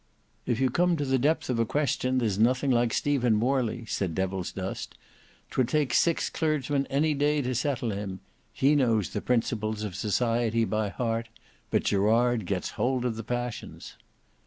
"If you come to the depth of a question, there's nothing like Stephen Morley," said Devilsdust. "'Twould take six clergymen any day to settle him. He knows the principles of society by heart. But Gerard gets hold of the passions."